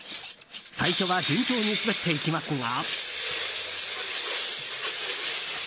最初は順調に滑っていきますが。